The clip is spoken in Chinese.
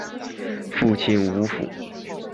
父亲吴甫。